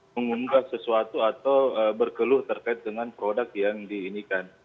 mengunggah sesuatu atau berkeluh terkait dengan produk yang diinikan